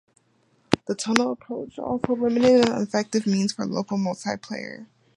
The tunnel approach also limited an effective means for local multiplayer.